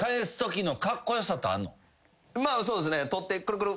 まあそうですね。